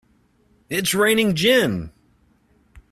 It's raining gin!